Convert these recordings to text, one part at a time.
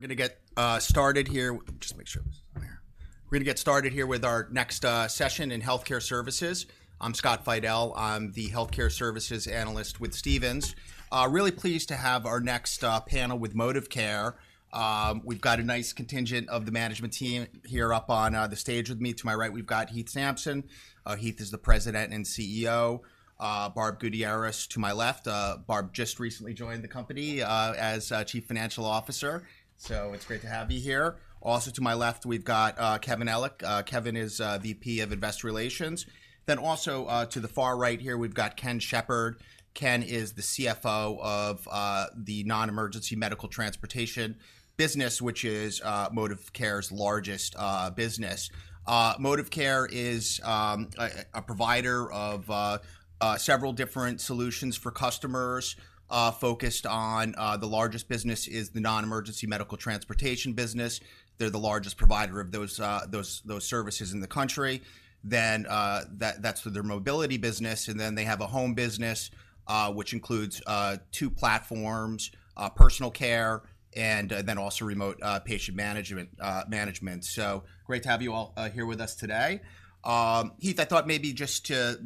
I'm gonna get started here. Just make sure this is on there. We're gonna get started here with our next session in healthcare services. I'm Scott Fidel. I'm the Healthcare Services Analyst with Stephens. Really pleased to have our next panel with Modivcare. We've got a nice contingent of the management team here up on the stage with me. To my right, we've got Heath Sampson. Heath is the President and CEO. Barb Gutierrez to my left. Barb just recently joined the company as Chief Financial Officer, so it's great to have you here. Also to my left, we've got Kevin Ellich. Kevin is VP of Investor Relations. Then also to the far right here, we've got Ken Shepard. Ken is the CFO of the non-emergency medical transportation business, which is Modivcare's largest business. Modivcare is a provider of several different solutions for customers, focused on the largest business is the non-emergency medical transportation business. They're the largest provider of those services in the country. Then, that's with their mobility business, and then they have a home business, which includes two platforms: Personal Care and then also remote patient management. So great to have you all here with us today. Heath, I thought maybe just to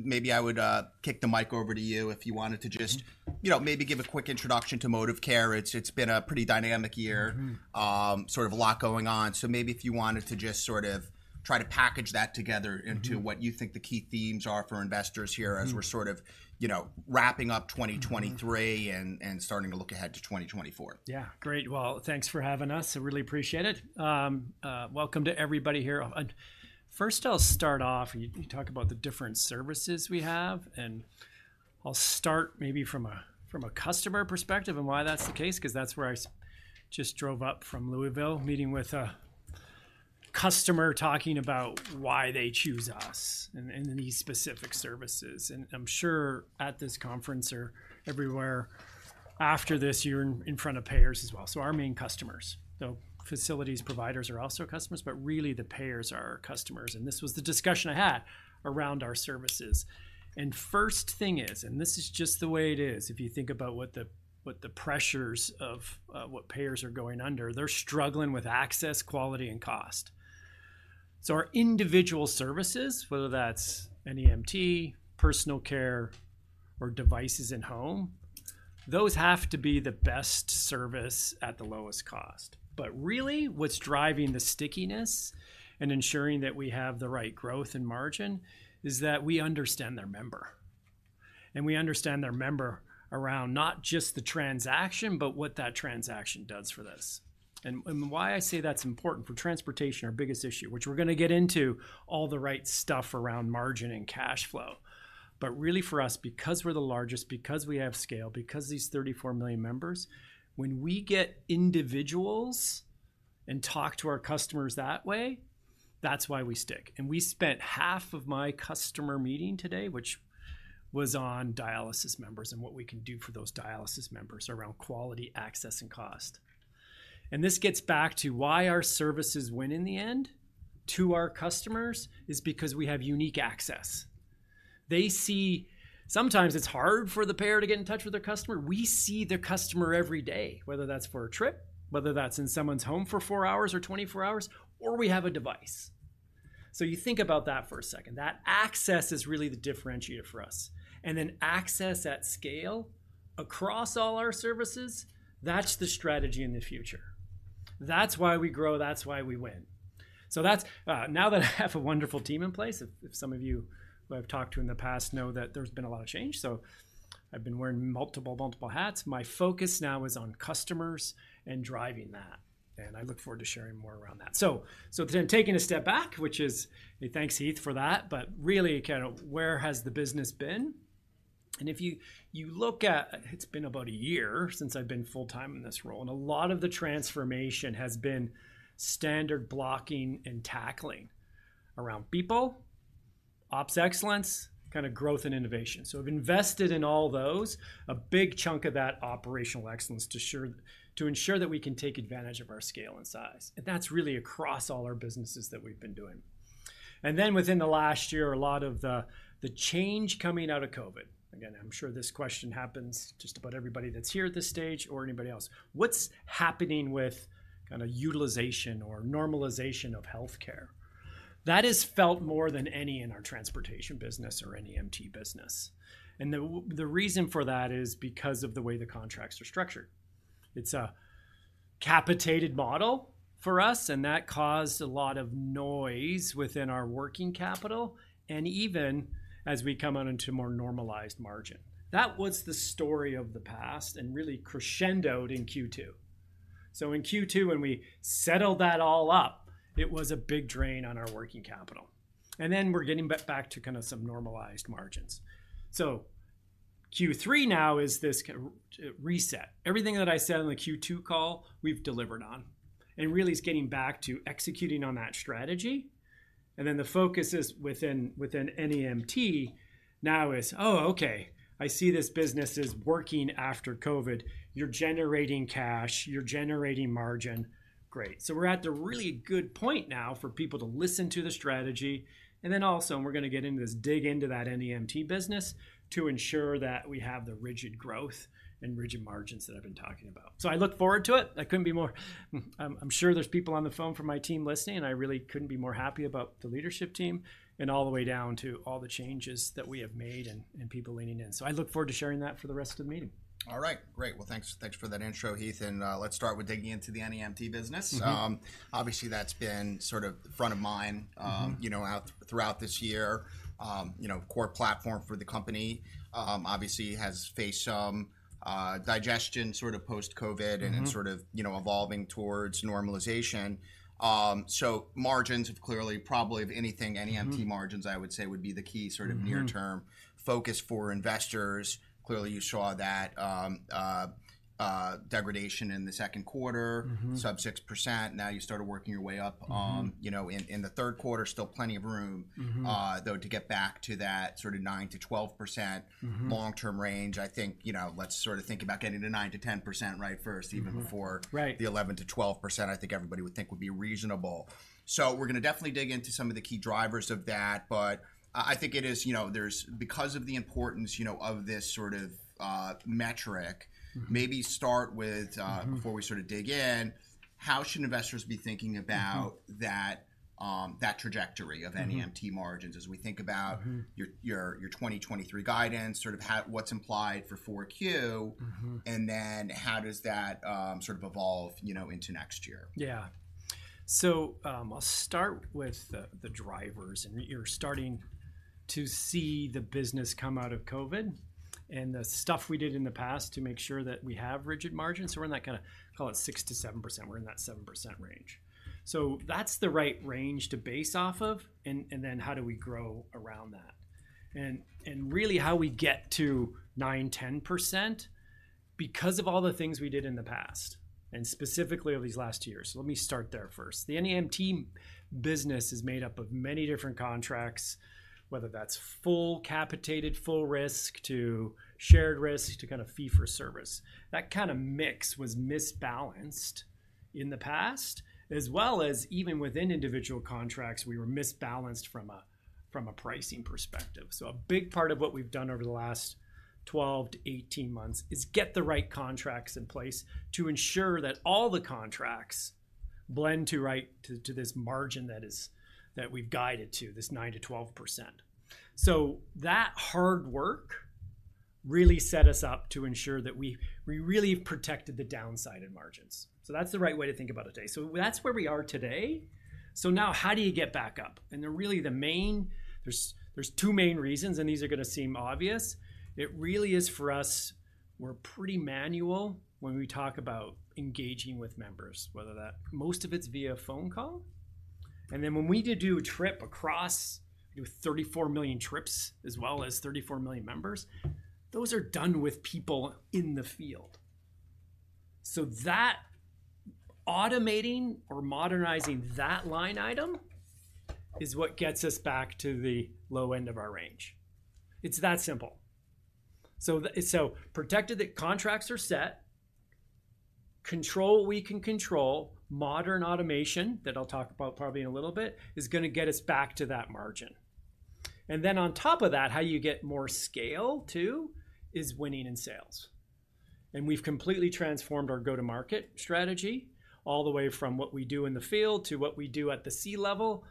kick the mic over to you if you wanted to just- Mm-hmm... You know, maybe give a quick introduction to Modivcare. It's, it's been a pretty dynamic year. Mm-hmm. Sort of a lot going on, so maybe if you wanted to just sort of try to package that together- Mm-hmm... Into what you think the key themes are for investors here- Mm-hmm... As we're sort of, you know, wrapping up 2023- Mm-hmm... And starting to look ahead to 2024. Yeah, great. Well, thanks for having us. I really appreciate it. Welcome to everybody here. First I'll start off, you, you talked about the different services we have, and I'll start maybe from a, from a customer perspective and why that's the case, 'cause that's where I just drove up from Louisville, meeting with a customer, talking about why they choose us and, and these specific services. And I'm sure at this conference or everywhere after this, you're in, in front of payers as well. So our main customers, though facilities providers are also customers, but really the payers are our customers, and this was the discussion I had around our services. And first thing is, and this is just the way it is, if you think about what the pressures of what payers are going under, they're struggling with access, quality, and cost. So our individual services, whether that's NEMT, Personal Care, or devices in home, those have to be the best service at the lowest cost. But really what's driving the stickiness and ensuring that we have the right growth and margin, is that we understand their member, and we understand their member around not just the transaction, but what that transaction does for this. And why I say that's important, for transportation, our biggest issue, which we're gonna get into all the right stuff around margin and cash flow. But really for us, because we're the largest, because we have scale, because these 34 million members, when we get individuals and talk to our customers that way, that's why we stick. We spent half of my customer meeting today, which was on dialysis members, and what we can do for those dialysis members around quality, access, and cost. This gets back to why our services win in the end to our customers, is because we have unique access. They see... sometimes it's hard for the payer to get in touch with their customer. We see their customer every day, whether that's for a trip, whether that's in someone's home for four hours or 24 hours, or we have a device. So you think about that for a second. That access is really the differentiator for us, and then access at scale across all our services, that's the strategy in the future. That's why we grow, that's why we win. So that's now that I have a wonderful team in place, if some of you who I've talked to in the past know that there's been a lot of change, so I've been wearing multiple hats. My focus now is on customers and driving that, and I look forward to sharing more around that. So then taking a step back, which is, thanks, Heath, for that, but really kind of where has the business been? And if you look at, it's been about a year since I've been full-time in this role, and a lot of the transformation has been standard blocking and tackling around people, ops excellence, kind of growth and innovation. So we've invested in all those, a big chunk of that operational excellence to ensure that we can take advantage of our scale and size, and that's really across all our businesses that we've been doing. And then within the last year, a lot of the change coming out of COVID. Again, I'm sure this question happens, just about everybody that's here at this stage or anybody else. What's happening with kind of utilization or normalization of healthcare? That is felt more than any in our transportation business or NEMT business, and the reason for that is because of the way the contracts are structured. It's a capitated model for us, and that caused a lot of noise within our working capital, and even as we come out into more normalized margin. That was the story of the past and really crescendoed in Q2. So in Q2 when we settled that all up, it was a big drain on our working capital, and then we're getting back to kind of some normalized margins. So Q3 now is this reset. Everything that I said on the Q2 call, we've delivered on... and really is getting back to executing on that strategy. And then the focus is within, within NEMT now is, "Oh, okay, I see this business is working after COVID. You're generating cash, you're generating margin. Great!" So we're at the really good point now for people to listen to the strategy, and then also we're gonna get into this dig into that NEMT business to ensure that we have the rigid growth and rigid margins that I've been talking about. So I look forward to it. I couldn't be more... I'm sure there's people on the phone from my team listening, and I really couldn't be more happy about the leadership team, and all the way down to all the changes that we have made and people leaning in. So I look forward to sharing that for the rest of the meeting. All right, great. Well, thanks, thanks for that intro, Heath, and, let's start with digging into the NEMT business. Mm-hmm. Obviously, that's been sort of front of mind- Mm-hmm... You know, throughout this year. You know, core platform for the company, obviously has faced some digestion sort of post-COVID- Mm-hmm... Snd it's sort of, you know, evolving towards normalization. So margins have clearly, probably of anything- Mm-hmm... NEMT margins, I would say, would be the key sort of- Mm-hmm... Near-term focus for investors. Clearly, you saw that, degradation in the second quarter. Mm-hmm. Sub-6%, now you've started working your way up, Mm-hmm... You know, in the third quarter. Still plenty of room- Mm-hmm... Though, to get back to that sort of 9%-12%- Mm-hmm... Long-term range. I think, you know, let's sort of think about getting to 9%-10% right first- Mm-hmm… Even before— Right... The 11%-12% I think everybody would think would be reasonable. So we're gonna definitely dig into some of the key drivers of that, but, I think it is, you know, there's... Because of the importance, you know, of this sort of, metric- Mm-hmm... Maybe start with, Mm-hmm... Before we sort of dig in, how should investors be thinking about- Mm-hmm... That, that trajectory of NEMT- Mm-hmm... Margins as we think about- Mm-hmm... Your 2023 guidance, sort of what's implied for 4Q? Mm-hmm. And then how does that sort of evolve, you know, into next year? Yeah. So, I'll start with the drivers, and you're starting to see the business come out of COVID, and the stuff we did in the past to make sure that we have rigid margins. So we're in that kinda, call it 6%-7%. We're in that 7% range. So that's the right range to base off of, and then how do we grow around that? And really how we get to 9%-10%, because of all the things we did in the past, and specifically over these last two years. Let me start there first. The NEMT business is made up of many different contracts, whether that's full capitated, full risk, to shared risk, to kind of fee-for-service. That kind of mix was misbalanced in the past, as well as even within individual contracts, we were misbalanced from a pricing perspective. So a big part of what we've done over the last 12-18 months is get the right contracts in place to ensure that all the contracts blend to right... to this margin that we've guided to, this 9%-12%. So that hard work really set us up to ensure that we really protected the downside in margins. So that's the right way to think about it today. So that's where we are today. So now how do you get back up? And really, the main- there's two main reasons, and these are gonna seem obvious. It really is for us. We're pretty manual when we talk about engaging with members, whether most of it's via phone call, and then when we do a trip across, we do 34 million trips, as well as 34 million members. Those are done with people in the field. So that, automating or modernizing that line item, is what gets us back to the low end of our range. It's that simple. So, so protected, the contracts are set. Control what we can control. Modern automation, that I'll talk about probably in a little bit, is gonna get us back to that margin. And then on top of that, how you get more scale too, is winning in sales, and we've completely transformed our go-to-market strategy, all the way from what we do in the field to what we do at the C level,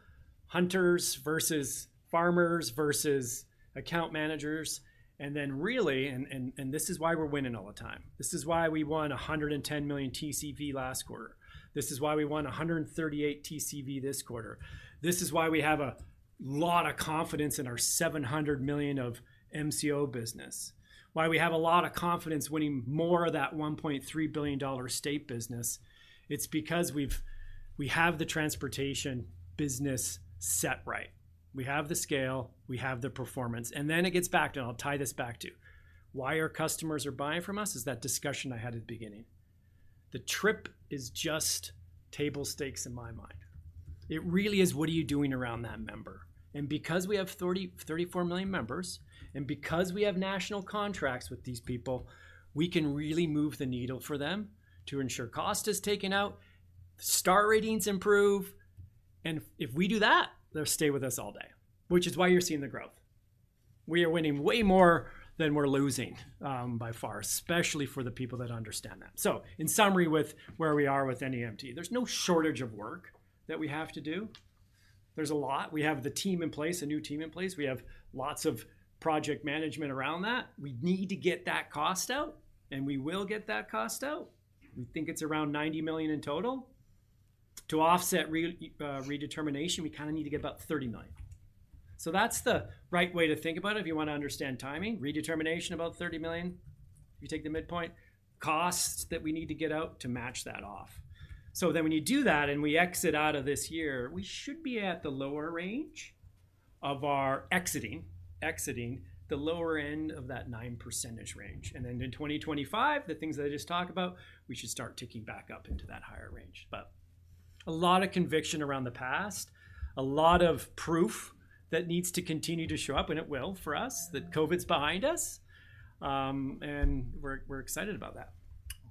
hunters versus farmers versus account managers, and then really, and, and, and this is why we're winning all the time, this is why we won $110 million TCV last quarter. This is why we won $138 million TCV this quarter. This is why we have a lot of confidence in our $700 million of MCO business. Why we have a lot of confidence winning more of that $1.3 billion state business. It's because we have the transportation business set right. We have the scale, we have the performance, and then it gets back to... I'll tie this back to why our customers are buying from us is that discussion I had at the beginning. The trip is just table stakes in my mind. It really is, what are you doing around that member? And because we have 34 million members, and because we have national contracts with these people, we can really move the needle for them to ensure cost is taken out, Star Ratings improve, and if we do that, they'll stay with us all day, which is why you're seeing the growth. We are winning way more than we're losing, by far, especially for the people that understand that. So in summary, with where we are with NEMT, there's no shortage of work that we have to do. There's a lot. We have the team in place, a new team in place. We have lots of project management around that. We need to get that cost out, and we will get that cost out. We think it's around $90 million in total. To offset redetermination, we kinda need to get about $30 million. So that's the right way to think about it if you wanna understand timing. Redetermination, about $30 million, if you take the midpoint. Costs that we need to get out to match that off. So then when you do that, and we exit out of this year, we should be at the lower range of our exiting, exiting the lower end of that 9% range. And then in 2025, the things that I just talked about, we should start ticking back up into that higher range. A lot of conviction around the past, a lot of proof that needs to continue to show up, and it will for us, that COVID's behind us, and we're excited about that.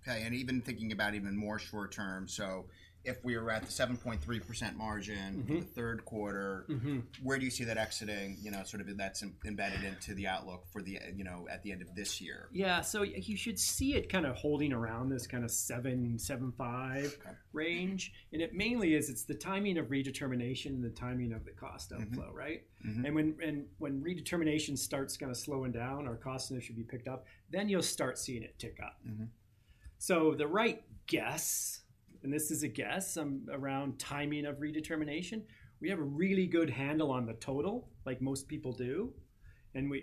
Okay, and even thinking about even more short term, so if we are at the 7.3% margin- Mm-hmm... In the third quarter- Mm-hmm... Where do you see that exiting? You know, sort of, and that's embedded into the outlook for the, you know, at the end of this year. Yeah, so you should see it kind of holding around this kind of 7.75- Okay... Range, and it mainly is, it's the timing of redetermination and the timing of the cost outflow, right? Mm-hmm. Mm-hmm. And when redetermination starts kind of slowing down, our costs should be picked up, then you'll start seeing it tick up. Mm-hmm. So the right guess, and this is a guess, around timing of redetermination, we have a really good handle on the total, like most people do, and we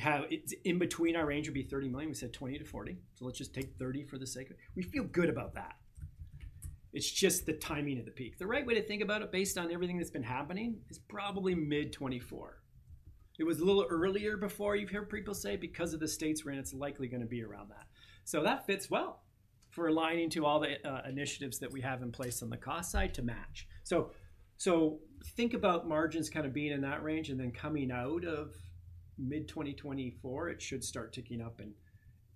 have... It's, in between our range would be $30 million. We said $20 million-$40 million, so let's just take $30 million for the sake of it. We feel good about that. It's just the timing of the peak. The right way to think about it based on everything that's been happening, is probably mid-2024. It was a little earlier before. You've heard people say because of the states ran, it's likely gonna be around that. So that fits well for aligning to all the initiatives that we have in place on the cost side to match. So, think about margins kind of being in that range, and then coming out of mid-2024, it should start ticking up and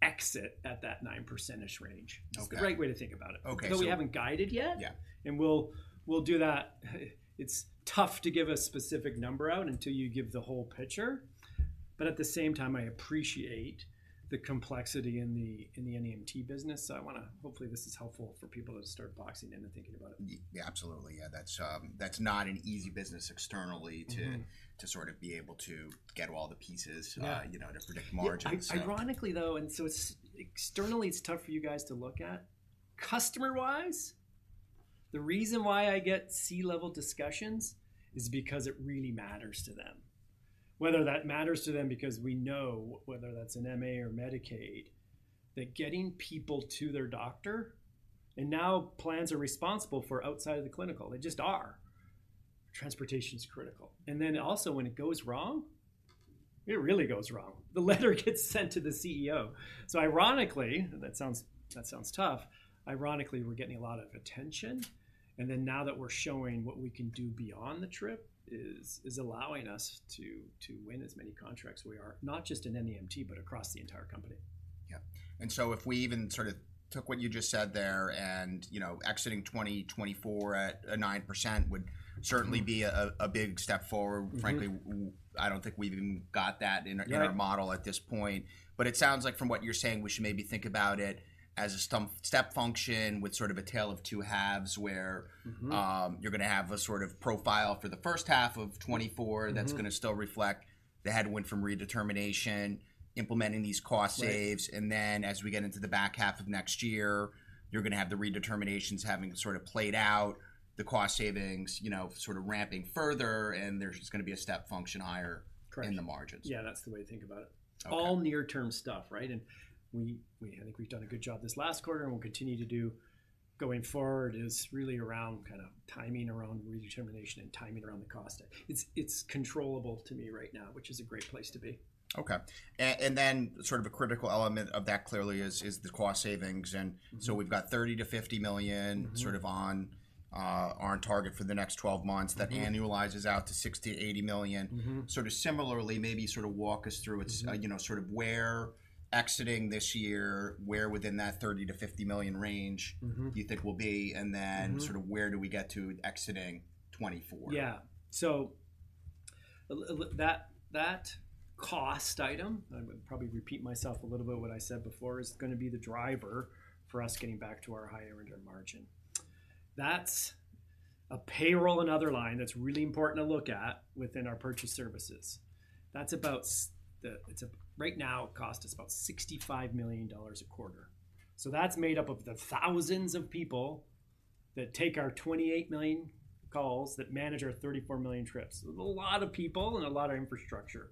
exit at that 9% range. Okay. It's a great way to think about it. Okay, so- Though we haven't guided yet. Yeah. And we'll, we'll do that... It's tough to give a specific number out until you give the whole picture, but at the same time, I appreciate the complexity in the, in the NEMT business, so I wanna... Hopefully this is helpful for people to start boxing in and thinking about it. Yeah, absolutely. Yeah, that's, that's not an easy business externally- Mm-hmm... To sort of be able to get all the pieces- Yeah... You know, to predict margins, so. Yeah, ironically, though, and so externally, it's tough for you guys to look at. Customer-wise, the reason why I get C-level discussions is because it really matters to them. Whether that matters to them because we know, whether that's an MA or Medicaid, that getting people to their doctor, and now plans are responsible for outside of the clinical, they just are, transportation is critical. And then also, when it goes wrong, it really goes wrong. The letter gets sent to the CEO. So ironically, that sounds tough. Ironically, we're getting a lot of attention, and then now that we're showing what we can do beyond the trip is allowing us to win as many contracts as we are, not just in NEMT, but across the entire company. Yeah. And so if we even sort of took what you just said there, and, you know, exiting 2024 at 9% would certainly be a big step forward. Mm-hmm. Frankly, I don't think we've even got that in our- Yeah... In our model at this point. But it sounds like from what you're saying, we should maybe think about it as a step function with sort of a tale of two halves, where- Mm-hmm... You're gonna have a sort of profile for the first half of 2024- Mm-hmm... that's gonna still reflect the headwind from redetermination, implementing these cost saves. Right. And then as we get into the back half of next year, you're gonna have the redeterminations having sort of played out, the cost savings, you know, sort of ramping further, and there's just gonna be a step function higher- Correct... In the margins. Yeah, that's the way to think about it. Okay. All near-term stuff, right? And we I think we've done a good job this last quarter, and we'll continue to do going forward, is really around kind of timing around redetermination and timing around the cost. It's controllable to me right now, which is a great place to be. Okay. And then sort of a critical element of that clearly is the cost savings and- Mm-hmm... So we've got $30 million-$50 million- Mm-hmm... Sort of on target for the next 12 months. Mm-hmm. That annualizes out to $60 million-$80 million. Mm-hmm. Sort of similarly, maybe sort of walk us through- Mm-hmm... It's, you know, sort of where exiting this year, where within that $30 million-$50 million range- Mm-hmm... You think we'll be, and then- Mm-hmm... Sort of where do we get to exiting 2024? Yeah. So that, that cost item, I would probably repeat myself a little bit what I said before, is gonna be the driver for us getting back to our higher income margin. That's a payroll and other line that's really important to look at within our purchased services. That's about the... It's right now, it costs us about $65 million a quarter. So that's made up of the thousands of people that take our 28 million calls, that manage our 34 million trips. There's a lot of people and a lot of infrastructure.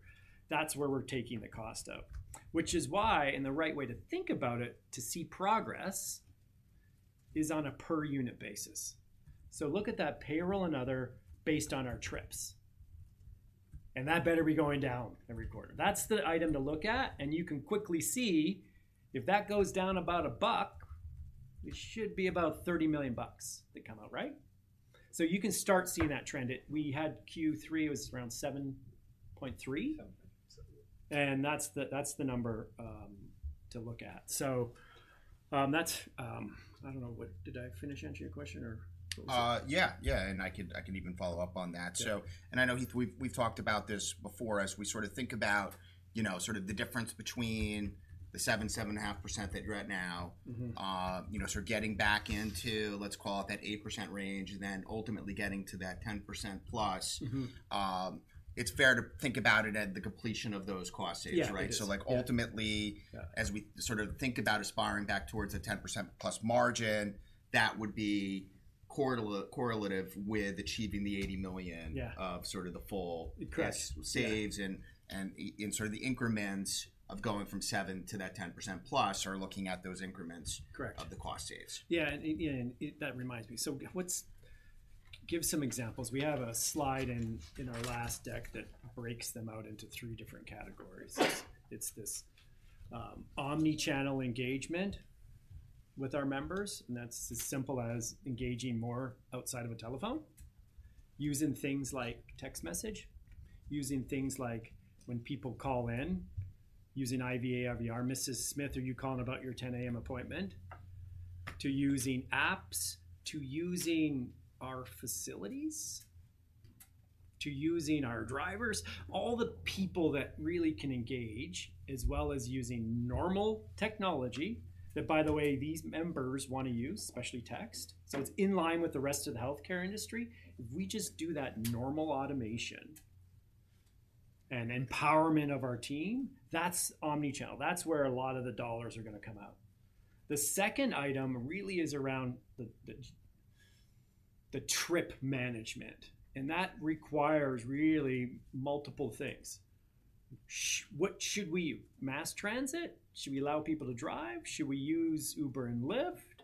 That's where we're taking the cost out. Which is why, and the right way to think about it, to see progress, is on a per unit basis. So look at that payroll and other based on our trips, and that better be going down every quarter. That's the item to look at, and you can quickly see if that goes down about $1, it should be about $30 million that come out, right? So you can start seeing that trend. We had Q3, it was around $7.3? Seven. And that's the, that's the number to look at. So, that's... I don't know what—did I finish answering your question, or what was it? Yeah, yeah, and I could even follow up on that. Yeah. I know, Heath, we've talked about this before, as we sort of think about, you know, sort of the difference between the 7%-7.5% that you're at now- Mm-hmm... You know, sort of getting back into, let's call it, that 8% range, and then ultimately getting to that 10%+. Mm-hmm. It's fair to think about it at the completion of those cost saves, right? Yeah, it is. So, like, ultimately- Yeah... As we sort of think about aspiring back towards a 10%+ margin, that would be correlative with achieving the $80 million- Yeah... Of sort of the full- Correct... Saves and sort of the increments of going from 7% to that 10%+ are looking at those increments- Correct... of the cost savings. Yeah, and that reminds me, so what's... give some examples. We have a slide in our last deck that breaks them out into three different categories. It's this, omnichannel engagement with our members, and that's as simple as engaging more outside of a telephone, using things like text message, using things like when people call in, using IVR, "Mrs. Smith, are you calling about your 10 A.M. appointment?" to using apps, to using our facilities, to using our drivers. All the people that really can engage, as well as using normal technology, that, by the way, these members wanna use, especially text. So it's in line with the rest of the healthcare industry. If we just do that normal automation and empowerment of our team, that's omnichannel. That's where a lot of the dollars are gonna come out. The second item really is around the trip management, and that requires really multiple things. What should we use, mass transit? Should we allow people to drive? Should we use Uber and Lyft?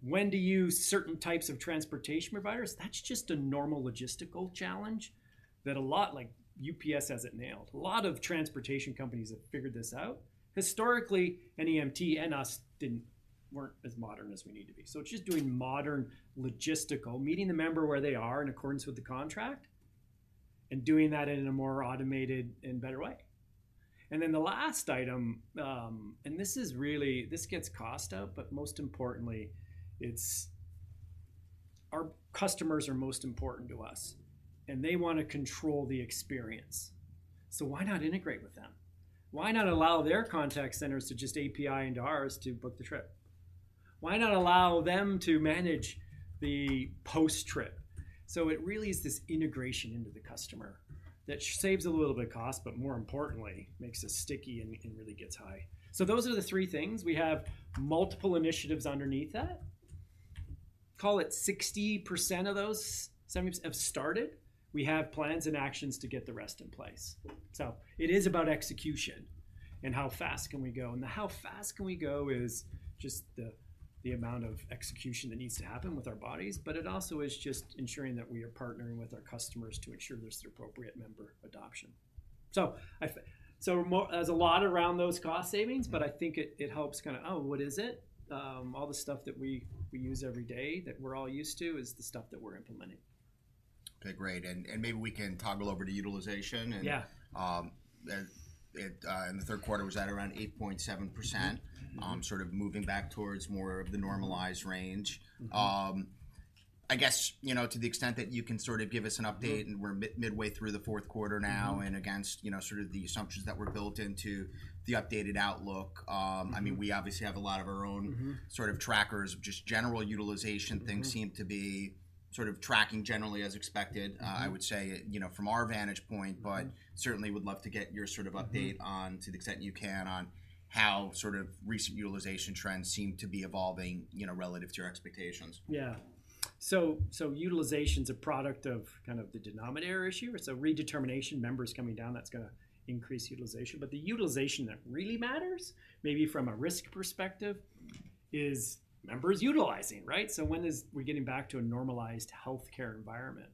When to use certain types of transportation providers? That's just a normal logistical challenge that a lot... Like, UPS has it nailed. A lot of transportation companies have figured this out. Historically, a NEMT and us didn't, weren't as modern as we need to be. So it's just doing modern logistical, meeting the member where they are in accordance with the contract, and doing that in a more automated and better way. And then the last item, and this is really, this gets cost up, but most importantly, it's... Our customers are most important to us, and they wanna control the experience, so why not integrate with them? Why not allow their contact centers to just API into ours to book the trip? Why not allow them to manage the post-trip? So it really is this integration into the customer that saves a little bit of cost, but more importantly, makes us sticky and really gets high. So those are the three things. We have multiple initiatives underneath that. Call it 60% of those, some have started. We have plans and actions to get the rest in place. So it is about execution and how fast can we go, and the how fast can we go is just the amount of execution that needs to happen with our bodies. But it also is just ensuring that we are partnering with our customers to ensure there's the appropriate member adoption. So I th- so more... There's a lot around those cost savings, but I think it helps kinda, "Oh, what is it?" All the stuff that we use every day, that we're all used to, is the stuff that we're implementing. Okay, great, and maybe we can toggle over to utilization, and- Yeah. that, in the third quarter, was at around 8.7%. Mm-hmm, mm-hmm. Sort of moving back towards more of the normalized range. Mm-hmm. I guess, you know, to the extent that you can sort of give us an update- Mm-hmm. And we're midway through the fourth quarter now. Mm-hmm. - And against, you know, sort of the assumptions that were built into the updated outlook. Mm-hmm. I mean, we obviously have a lot of our own- Mm-hmm... Sort of trackers, just general utilization- Mm-hmm... Things seem to be sort of tracking generally as expected. Mm-hmm. I would say, you know, from our vantage point. Mm-hmm... But certainly would love to get your sort of update on- Mm-hmm... To the extent you can, on how sort of recent utilization trends seem to be evolving, you know, relative to your expectations. Yeah. So utilization's a product of kind of the denominator issue. It's a redetermination, members coming down, that's gonna increase utilization. But the utilization that really matters, maybe from a risk perspective, is members utilizing, right? So when are we getting back to a normalized healthcare environment?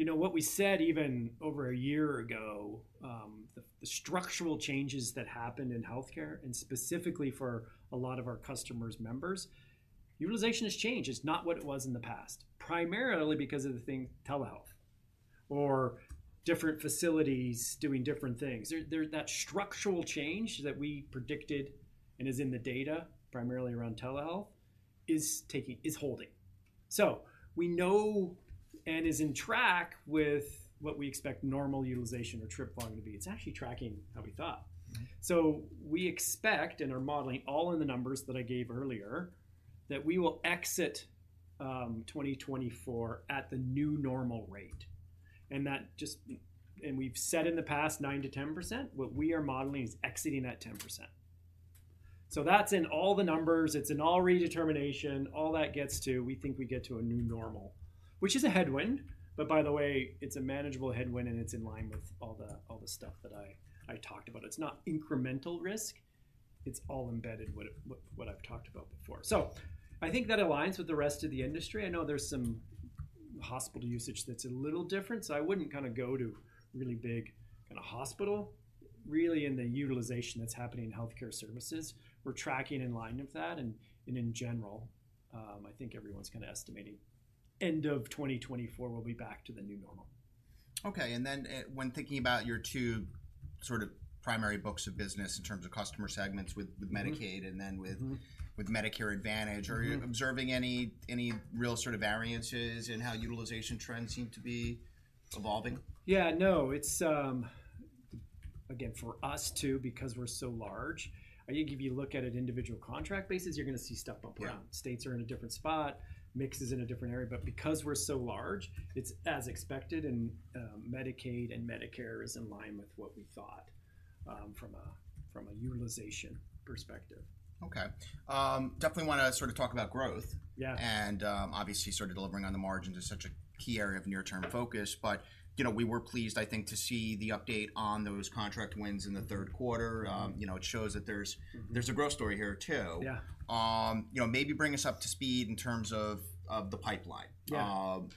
You know, what we said even over a year ago, the structural changes that happened in healthcare, and specifically for a lot of our customers' members, utilization has changed. It's not what it was in the past, primarily because of telehealth or different facilities doing different things. There, that structural change that we predicted, and is in the data, primarily around telehealth, is taking- is holding. So we know and is in track with what we expect normal utilization or trip volume to be. It's actually tracking how we thought. So we expect, and are modeling all in the numbers that I gave earlier, that we will exit 2024 at the new normal rate, and that just... And we've said in the past 9%-10%, what we are modeling is exceeding that 10%. So that's in all the numbers, it's in all redetermination, all that gets to, we think we get to a new normal, which is a headwind. But by the way, it's a manageable headwind, and it's in line with all the stuff that I talked about. It's not incremental risk; it's all embedded what I've talked about before. So I think that aligns with the rest of the industry. I know there's some hospital usage that's a little different, so I wouldn't kinda go to really big, kinda hospital. Really, in the utilization that's happening in healthcare services, we're tracking in line with that, and in general, I think everyone's kinda estimating end of 2024 we'll be back to the new normal. Okay, and then, when thinking about your two sort of primary books of business in terms of customer segments with- Mm-hmm... With Medicaid and then with- Mm-hmm... With Medicare Advantage- Mm-hmm... Are you observing any real sort of variances in how utilization trends seem to be evolving? Yeah, no. It's, again, for us, too, because we're so large. I think if you look at it individual contract basis, you're gonna see stuff upfront. Yeah. States are in a different spot, metrics in a different area. But because we're so large, it's as expected, and Medicaid and Medicare is in line with what we thought, from a utilization perspective. Okay. Definitely wanna sort of talk about growth. Yeah. Obviously sort of delivering on the margins is such a key area of near-term focus. You know, we were pleased, I think, to see the update on those contract wins in the third quarter. You know, it shows that there's- Mm-hmm. There's a growth story here, too. Yeah. You know, maybe bring us up to speed in terms of the pipeline. Yeah. Um- Yeah...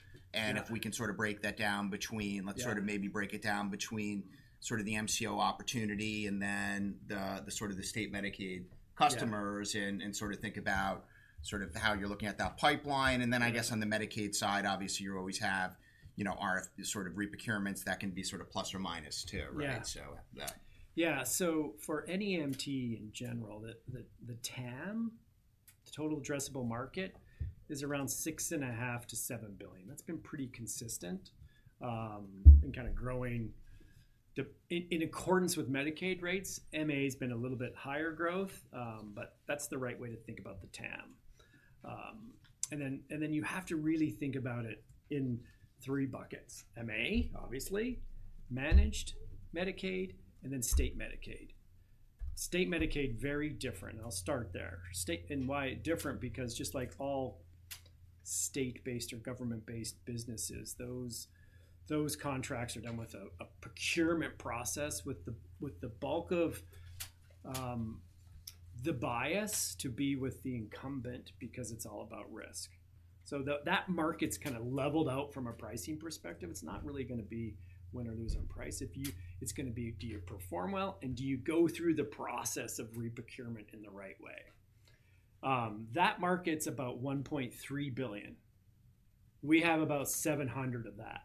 And if we can sort of break that down between- Yeah... let's sort of maybe break it down between sort of the MCO opportunity and then the, the sort of the State Medicaid customers... Yeah... And sort of think about sort of how you're looking at that pipeline. Yeah. And then I guess on the Medicaid side, obviously, you always have, you know, RF, sort of re-procurements that can be sort of plus or minus, too. Yeah... Right? So, yeah. Yeah, so for NEMT in general, the TAM, the total addressable market, is around $6.5 billion-$7 billion. That's been pretty consistent, and kinda growing in accordance with Medicaid rates. MA has been a little bit higher growth, but that's the right way to think about the TAM. And then you have to really think about it in three buckets: MA, obviously, managed Medicaid, and then State Medicaid. State Medicaid, very different, and I'll start there. State. And why different? Because just like all state-based or government-based businesses, those contracts are done with a procurement process, with the bulk of the bias to be with the incumbent, because it's all about risk. So that market's kinda leveled out from a pricing perspective. It's not really gonna be win or lose on price if you... It's gonna be, do you perform well, and do you go through the process of re-procurement in the right way? That market's about $1.3 billion. We have about $700 million of that.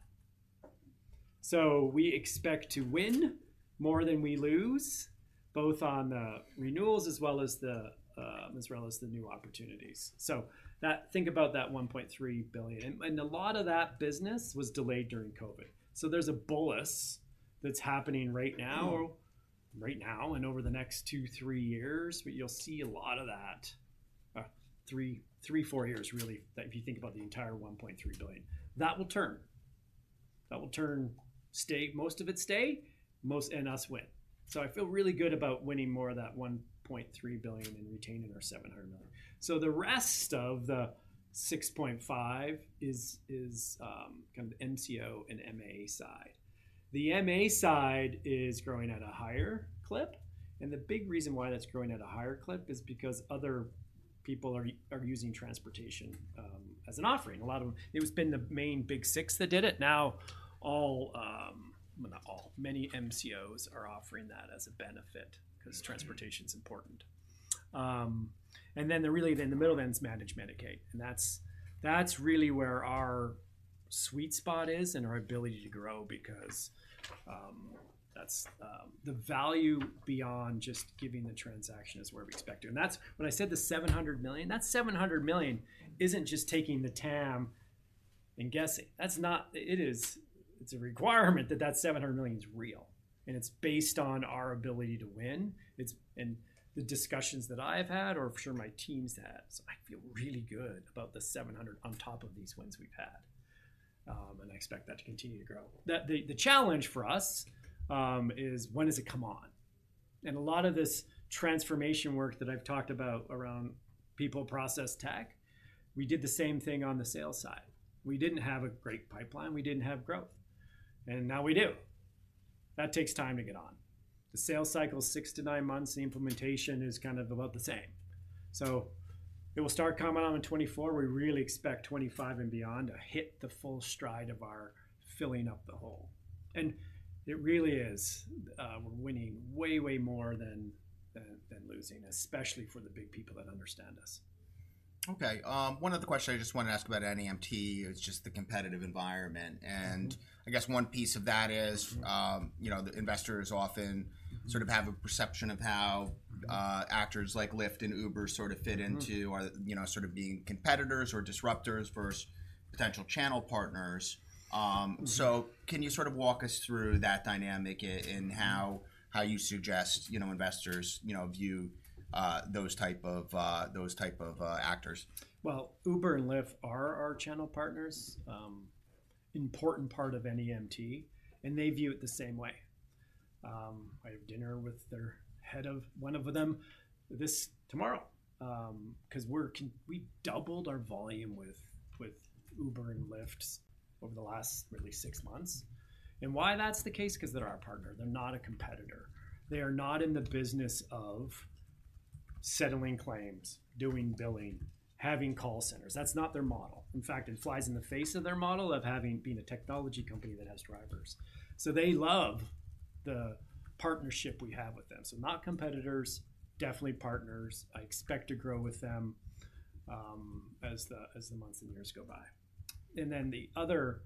So we expect to win more than we lose, both on the renewals as well as the, as well as the new opportunities. So that... think about that $1.3 billion, and, and a lot of that business was delayed during COVID. So there's a bolus that's happening right now- Mm... Right now, and over the next two to three years. But you'll see a lot of that, three, four years really, that if you think about the entire $1.3 billion. That will turn. That will turn state... Most of it stay, most, and us win. So I feel really good about winning more of that $1.3 billion and retaining our $700 million. So the rest of the $6.5 billion is kind of MCO and MA side. The MA side is growing at a higher clip, and the big reason why that's growing at a higher clip is because other people are using transportation as an offering. A lot of them... It has been the main big six that did it, now all, well, not all, many MCOs are offering that as a benefit, because transportation's important. And then really in the middle then is managed Medicaid, and that's, that's really where our sweet spot is and our ability to grow because, that's, the value beyond just giving the transaction is where we expect to. And that's... When I said the $700 million, that $700 million isn't just taking the TAM and guessing. That's not... It is, it's a requirement that, that $700 million is real, and it's based on our ability to win. It's... And the discussions that I've had, or I'm sure my team's had, so I feel really good about the $700 million on top of these wins we've had, and I expect that to continue to grow. The challenge for us is when does it come on? A lot of this transformation work that I've talked about around people, process, tech, we did the same thing on the sales side. We didn't have a great pipeline, we didn't have growth, and now we do. That takes time to get on. The sales cycle is six to nine months, the implementation is kind of about the same. So it will start coming out in 2024. We really expect 2025 and beyond to hit the full stride of our filling up the hole. And it really is, we're winning way, way more than losing, especially for the big people that understand us. Okay. One other question I just wanted to ask about NEMT is just the competitive environment. Mm-hmm. And I guess one piece of that is- Mm... You know, the investors often- Mm... Sort of have a perception of how actors like Lyft and Uber sort of fit into- Mm-hmm... Or, you know, sort of being competitors or disruptors versus potential channel partners. So- Mm-hmm... Can you sort of walk us through that dynamic? Mm-hmm... And how you suggest, you know, investors, you know, view those type of actors? Well, Uber and Lyft are our channel partners. Important part of NEMT, and they view it the same way. I have dinner with their head of... one of them this tomorrow, 'cause we doubled our volume with Uber and Lyft over the last really six months. And why that's the case, 'cause they're our partner, they're not a competitor. They are not in the business of settling claims, doing billing, having call centers. That's not their model. In fact, it flies in the face of their model of having, being a technology company that has drivers. So they love the partnership we have with them. So not competitors, definitely partners. I expect to grow with them, as the months and years go by. And then the other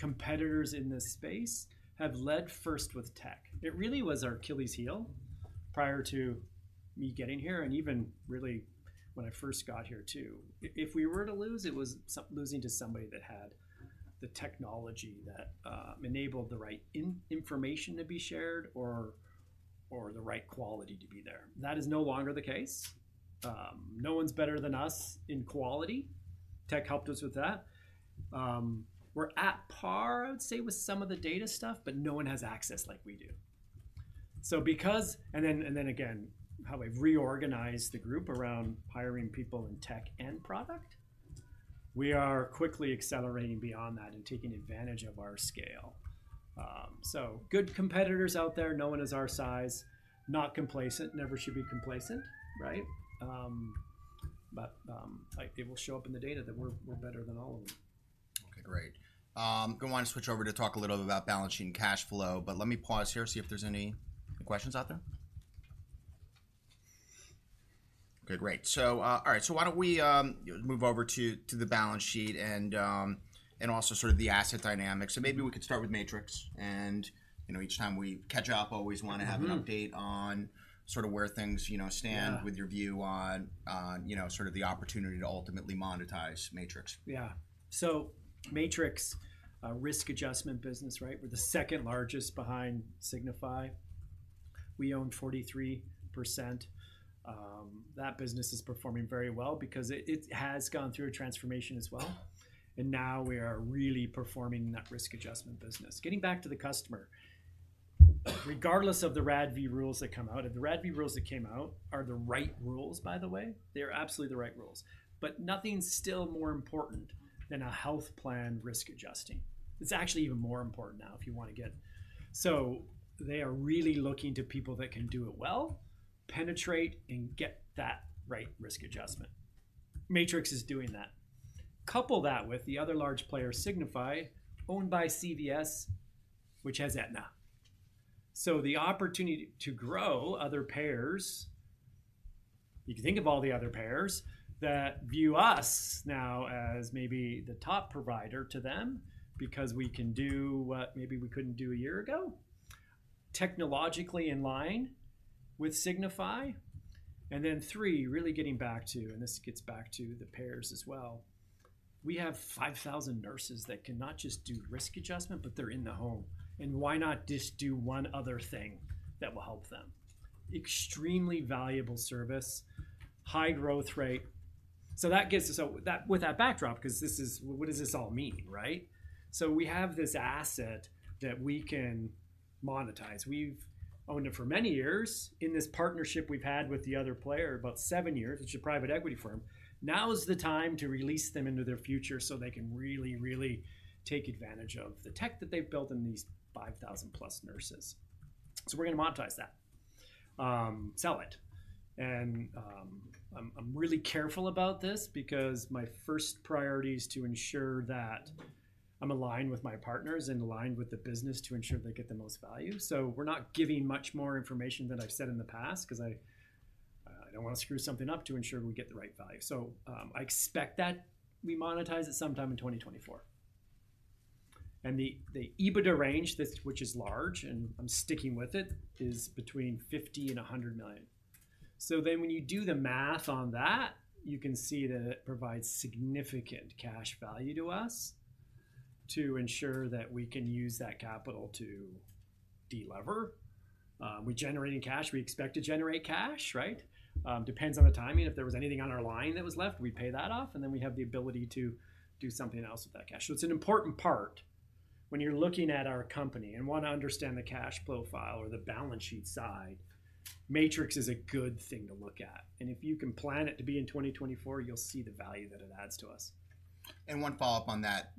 competitors in this space have led first with tech. It really was our Achilles heel prior to me getting here, and even really when I first got here, too. If we were to lose, it was losing to somebody that had the technology that enabled the right information to be shared or the right quality to be there. That is no longer the case. No one's better than us in quality. Tech helped us with that. We're at par, I'd say, with some of the data stuff, but no one has access like we do. So, because, and then again, how we've reorganized the group around hiring people in tech and product, we are quickly accelerating beyond that and taking advantage of our scale. So good competitors out there, no one is our size. Not complacent, never should be complacent, right? But, like, it will show up in the data that we're better than all of them. Okay, great. Gonna want to switch over to talk a little bit about balancing cash flow, but let me pause here, see if there's any questions out there. Okay, great. So... All right, so why don't we move over to the balance sheet and also sort of the asset dynamics. So maybe we could start with Matrix, and, you know, each time we catch up, always wanna- Mm-hmm. Have an update on sort of where things, you know, stand Yeah... With your view on, you know, sort of the opportunity to ultimately monetize Matrix. Yeah. So Matrix, a risk adjustment business, right? We're the second largest behind Signify. We own 43%. That business is performing very well because it, it has gone through a transformation as well, and now we are really performing in that risk adjustment business. Getting back to the customer, regardless of the RADV rules that come out, and the RADV rules that came out are the right rules, by the way. They are absolutely the right rules. But nothing's still more important than a health plan risk adjusting. It's actually even more important now, if you wanna get... So they are really looking to people that can do it well, penetrate, and get that right risk adjustment. Matrix is doing that. Couple that with the other large player, Signify, owned by CVS, which has Aetna. So the opportunity to grow other payers, you can think of all the other payers that view us now as maybe the top provider to them, because we can do what maybe we couldn't do a year ago. Technologically in line with Signify. And then, three, really getting back to, and this gets back to the payers as well, we have 5,000 nurses that can not just do risk adjustment, but they're in the home, and why not just do one other thing that will help them? Extremely valuable service, high growth rate. So that gets us out with that backdrop, because this is... What does this all mean, right? So we have this asset that we can monetize. We've owned it for many years in this partnership we've had with the other player, about seven years. It's a private equity firm. Now is the time to release them into their future so they can really, really take advantage of the tech that they've built in these 5,000+ nurses. So we're gonna monetize that, sell it. And, I'm really careful about this because my first priority is to ensure that I'm aligned with my partners and aligned with the business to ensure they get the most value. So we're not giving much more information than I've said in the past, 'cause I don't wanna screw something up to ensure we get the right value. So, I expect that we monetize it sometime in 2024. And the EBITDA range, this, which is large, and I'm sticking with it, is between $50 million and $100 million. So then when you do the math on that, you can see that it provides significant cash value to us to ensure that we can use that capital to de-lever. We're generating cash. We expect to generate cash, right? Depends on the timing. If there was anything on our line that was left, we'd pay that off, and then we have the ability to do something else with that cash. So it's an important part when you're looking at our company and wanna understand the cash flow profile or the balance sheet side. Matrix is a good thing to look at, and if you can plan it to be in 2024, you'll see the value that it adds to us. And one follow-up on that,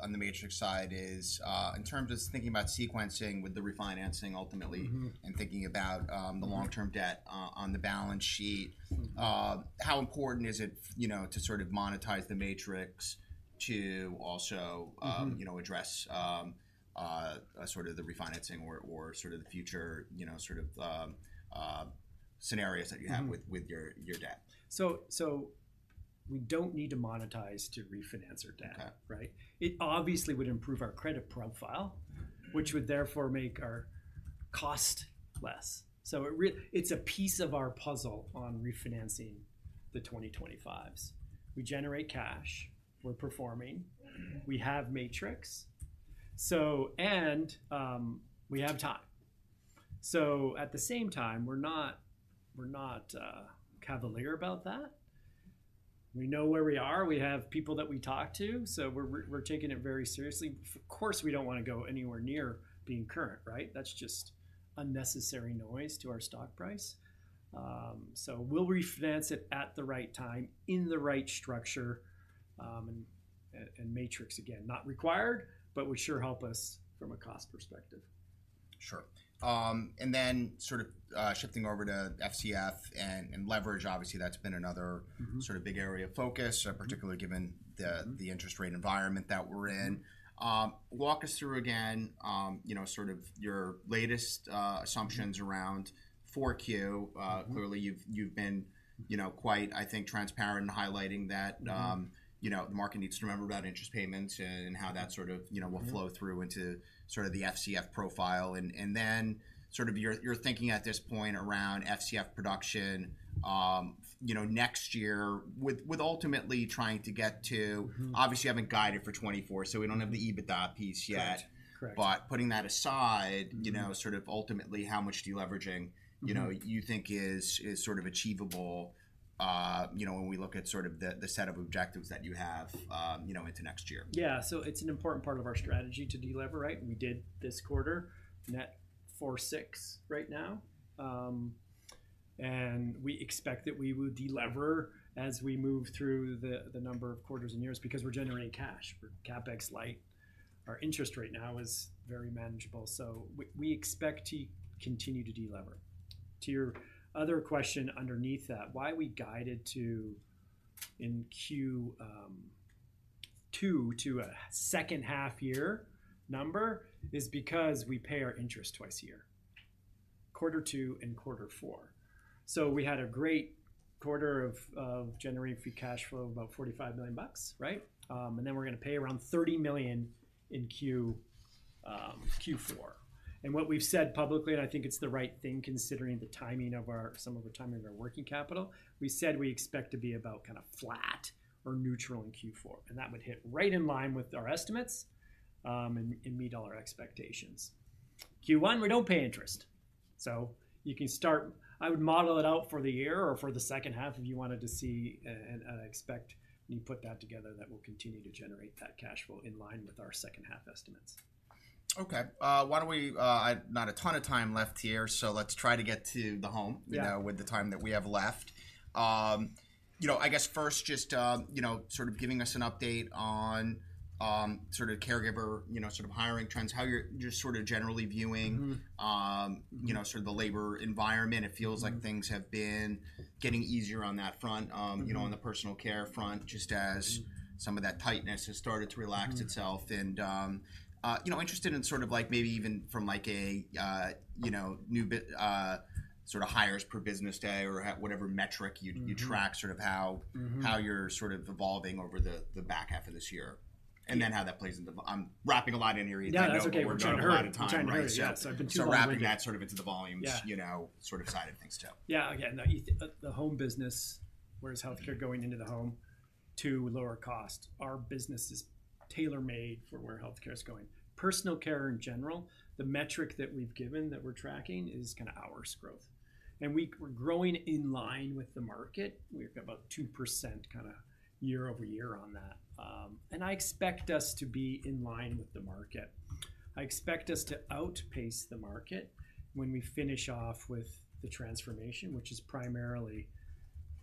on the Matrix side is, in terms of thinking about sequencing with the refinancing ultimately- Mm-hmm... And thinking about the long-term- Mm-hmm... Debt on the balance sheet, how important is it, you know, to sort of monetize the Matrix to also, Mm-hmm... You know, address sort of the refinancing or sort of the future, you know, sort of scenarios that you have- Mm-hmm... With your debt? So, we don't need to monetize to refinance our debt- Okay... Right? It obviously would improve our credit profile- Mm-hmm... Which would therefore make our cost less. So it's a piece of our puzzle on refinancing the 2025s. We generate cash, we're performing, we have Matrix, so... And we have time. So at the same time, we're not, we're not cavalier about that. We know where we are. We have people that we talk to, so we're taking it very seriously. Of course, we don't wanna go anywhere near being current, right? That's just unnecessary noise to our stock price. So we'll refinance it at the right time, in the right structure, and Matrix, again, not required, but would sure help us from a cost perspective. Sure. Then sort of, shifting over to FCF and leverage, obviously that's been another- Mm-hmm... Sort of big area of focus- Mm-hmm... Particularly given the- Mm-hmm... The interest rate environment that we're in. Mm-hmm. Walk us through again, you know, sort of your latest assumptions- Mm-hmm... Around 4Q. Mm-hmm. Clearly, you've been, you know, quite, I think, transparent in highlighting that. Mm-hmm... You know, the market needs to remember about interest payments and how that sort of- Mm-hmm - You know, will flow through into sort of the FCF profile. And then sort of your thinking at this point around FCF production, you know, next year with ultimately trying to get to- Mm. Obviously, you haven't guided for 2024, so we don't have the EBITDA piece yet. Correct. Correct. But putting that aside- Mm... You know, sort of ultimately how much deleveraging- Mm-hmm You know, you think is sort of achievable, you know, when we look at sort of the set of objectives that you have, you know, into next year? Yeah. So it's an important part of our strategy to delever, right? We did this quarter, net 4.6 right now. And we expect that we will delever as we move through the number of quarters and years, because we're generating cash. We're CapEx light. Our interest rate now is very manageable, so we expect to continue to delever. To your other question underneath that, why we guided to in Q2 to a second half year number, is because we pay our interest twice a year, quarter two and quarter four. So we had a great quarter of generating free cash flow of about $45 million, right? And then we're gonna pay around $30 million in Q4. And what we've said publicly, and I think it's the right thing, considering the timing of our... Some of the timing of our working capital, we said we expect to be about kinda flat or neutral in Q4, and that would hit right in line with our estimates and meet all our expectations. Q1, we don't pay interest, so you can start... I would model it out for the year or for the second half if you wanted to see, and expect, when you put that together, that we'll continue to generate that cash flow in line with our second half estimates. Okay. Why don't we, I've not a ton of time left here, so let's try to get to the home- Yeah... You know, with the time that we have left. You know, I guess first just, you know, sort of giving us an update on, sort of caregiver, you know, sort of hiring trends. How you're sort of generally viewing- Mm-hmm... You know, sort of the labor environment. Mm-hmm. It feels like things have been getting easier on that front. Mm-hmm... You know, on the Personal Care front, just as- Mm... Some of that tightness has started to relax itself. Mm. you know, interested in sort of like maybe even from, like a, you know, new sort of hires per business day or at whatever metric you Mm-hmm... Track, sort of how- Mm-hmm... How you're sort of evolving over the back half of this year, and then how that plays into. I'm wrapping a lot in here, Ethan. Yeah, that's okay. I know we're running out of time. We're trying to hurry. Trying to hurry, yes. I've been too long with you. So wrapping that sort of into the volumes- Yeah... You know, sort of side of things, too. Yeah. Again, the home business, where is healthcare going into the home? To lower cost. Our business is tailor-made for where healthcare is going. Personal care in general, the metric that we've given, that we're tracking, is kinda hours growth, and we're growing in line with the market. We've got about 2%, kinda, year-over-year on that. And I expect us to be in line with the market. I expect us to outpace the market when we finish off with the transformation, which is primarily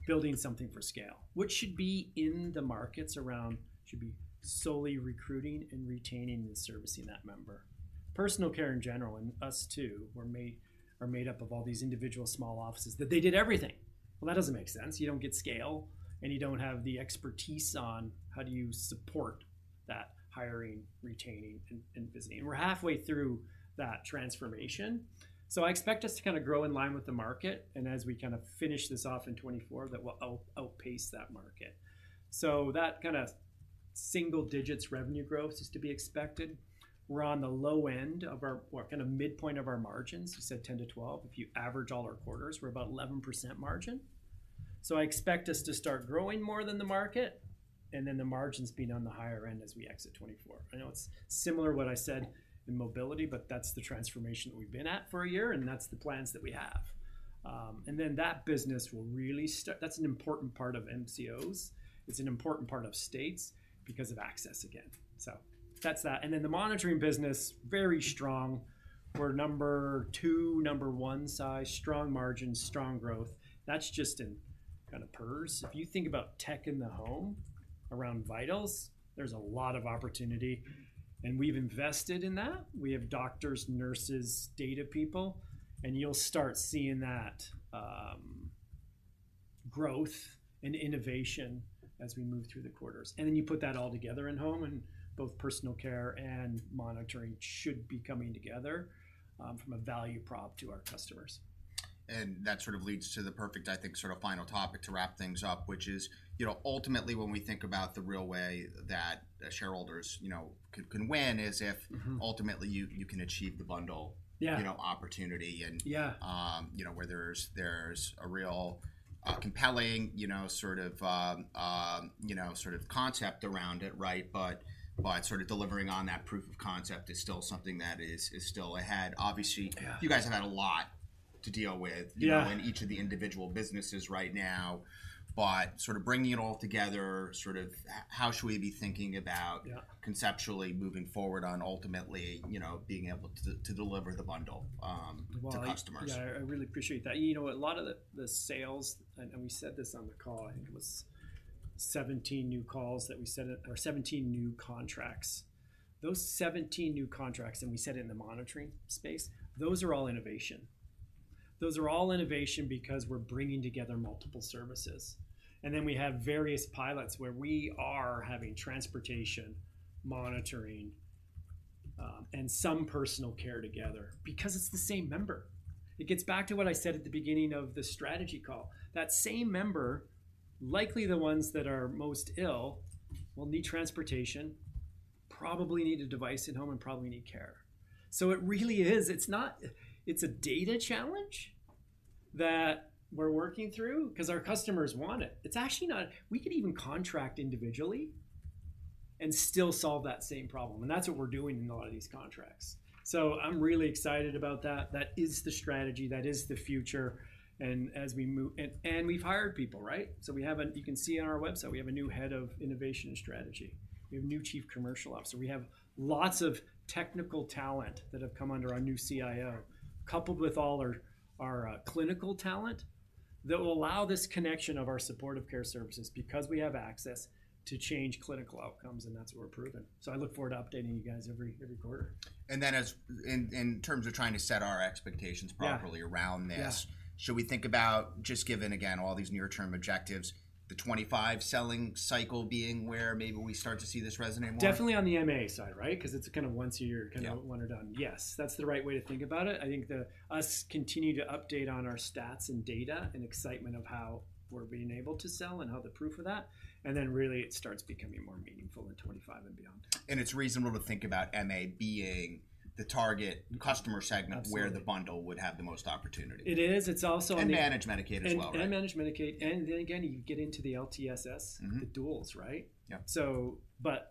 building something for scale, which should be in the markets around... should be solely recruiting and retaining and servicing that member. Personal care in general, and us too, are made up of all these individual small offices, that they did everything. Well, that doesn't make sense. You don't get scale, and you don't have the expertise on how do you support that hiring, retaining, and business. We're halfway through that transformation, so I expect us to kinda grow in line with the market, and as we kind of finish this off in 2024, that we'll outpace that market. So that kind of single digits revenue growth is to be expected. We're on the low end of our, we're kind of midpoint of our margins. We said 10-12. If you average all our quarters, we're about 11% margin. So I expect us to start growing more than the market, and then the margins being on the higher end as we exit 2024. I know it's similar to what I said in mobility, but that's the transformation that we've been at for a year, and that's the plans that we have. And then that business will really start. That's an important part of MCOs. It's an important part of states, because of access, again. So that's that. And then the monitoring business, very strong. We're number two, number one size, strong margins, strong growth. That's just in kinda PERS. If you think about tech in the home, around vitals, there's a lot of opportunity, and we've invested in that. We have doctors, nurses, data people, and you'll start seeing that, growth and innovation as we move through the quarters. And then you put that all together in home, and both personal care and monitoring should be coming together, from a value prop to our customers. And that sort of leads to the perfect, I think, sort of final topic to wrap things up, which is, you know, ultimately, when we think about the real way that shareholders, you know, can win, is if- Mm-hmm... Ultimately, you can achieve the bundle- Yeah... You know, opportunity and- Yeah... You know, where there's a real compelling, you know, sort of, you know, sort of concept around it, right? But sort of delivering on that proof of concept is still something that is still ahead. Obviously- Yeah... You guys have had a lot to deal with. Yeah... You know, in each of the individual businesses right now, but sort of bringing it all together, sort of how should we be thinking about? Yeah... Conceptually moving forward on ultimately, you know, being able to deliver the bundle to customers? Well, yeah, I really appreciate that. You know, a lot of the sales, and we said this on the call, I think it was 17 new calls that we set up or 17 new contracts. Those 17 new contracts, and we said in the monitoring space, those are all innovation. Those are all innovation because we're bringing together multiple services, and then we have various pilots where we are having transportation, monitoring, and some Personal Care together, because it's the same member. It gets back to what I said at the beginning of the strategy call. That same member, likely the ones that are most ill, will need transportation, probably need a device at home, and probably need care. So it really is, it's not, it's a data challenge that we're working through, 'cause our customers want it. It's actually not... We could even contract individually and still solve that same problem, and that's what we're doing in a lot of these contracts. So I'm really excited about that. That is the strategy, that is the future, and as we move... And we've hired people, right? So we have a, you can see on our website, we have a new head of innovation and strategy. We have a new Chief Commercial Officer. We have lots of technical talent that have come under our new CIO, coupled with all our, our, clinical talent, that will allow this connection of our supportive care services, because we have access to change clinical outcomes, and that's what we're proving. So I look forward to updating you guys every, every quarter. Then, in terms of trying to set our expectations properly- Yeah... Around this- Yeah... Should we think about just given, again, all these near-term objectives, the 2025 selling cycle being where maybe we start to see this resonate more? Definitely on the MA side, right? 'Cause it's a kind of once a year- Yeah... Kind of a one and done. Yes, that's the right way to think about it. I think thus continue to update on our stats and data, and excitement of how we're being able to sell, and how the proof of that, and then really it starts becoming more meaningful in 2025 and beyond. It's reasonable to think about MA being the target customer segment- Absolutely... Where the bundle would have the most opportunity. It is. It's also- managed Medicaid as well, right? And managed Medicaid, and then again, you get into the LTSS. Mm-hmm... The duals, right? Yeah. But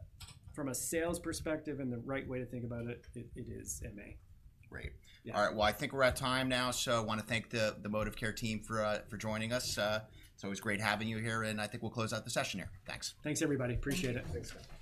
from a sales perspective and the right way to think about it, it, it is MA. Great. Yeah. All right. Well, I think we're at time now, so I wanna thank the Modivcare team for joining us. It's always great having you here, and I think we'll close out the session here. Thanks. Thanks, everybody. Appreciate it. Thanks, guys.